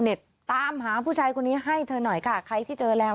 ตามหาผู้ชายคนนี้ให้เธอหน่อยค่ะใครที่เจอแล้ว